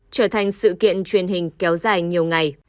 trở thành sự kiện truyền hình kéo dài nhiều ngày